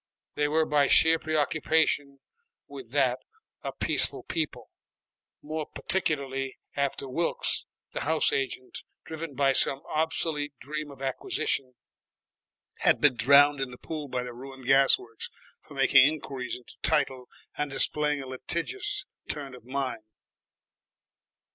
They were by sheer preoccupation with that a peaceful people, more particularly after Wilkes, the house agent, driven by some obsolete dream of acquisition, had been drowned in the pool by the ruined gas works for making inquiries into title and displaying a litigious turn of mind.